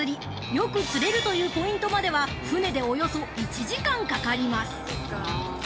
よく釣れるというポイントまでは船でおよそ１時間かかります。